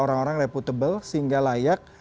orang orang reputable sehingga layak